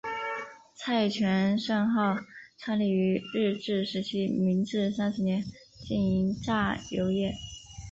蔡泉盛号创立于日治时期明治三十年经营榨油业。